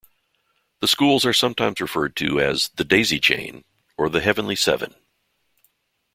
The schools are sometimes referred to as "the Daisy Chain" or "The Heavenly Seven.